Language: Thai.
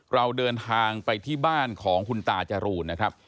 เราเดินทางไปที่บ้านของคุณตาจรูนนะครับ